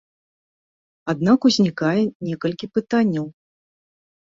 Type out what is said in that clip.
Аднак узнікае некалькі пытанняў.